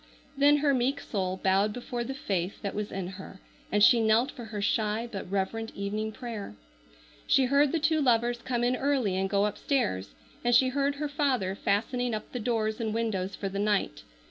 Then her meek soul bowed before the faith that was in her and she knelt for her shy but reverent evening prayer. She heard the two lovers come in early and go upstairs, and she heard her father fastening up the doors and windows for the night.